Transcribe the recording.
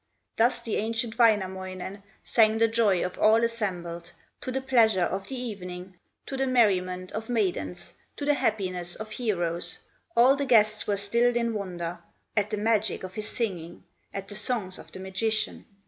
Thus the ancient Wainamoinen Sang the joy of all assembled, To the pleasure of the evening, To the merriment of maidens, To the happiness of heroes; All the guests were stilled in wonder At the magic of his singing, At the songs of the magician.